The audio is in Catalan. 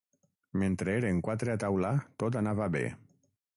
Mentre eren quatre a taula tot anava bé.